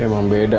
iya emang beda